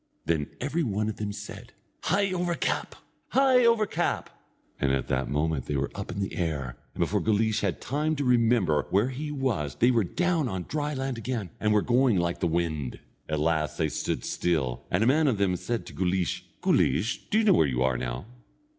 Then every one of them said: "Hie over cap! Hie over cap!" and that moment they were up in the air, and before Guleesh had time to remember where he was they were down on dry land again, and were going like the wind. At last they stood still, and a man of them said to Guleesh: "Guleesh, do you know where you are now?"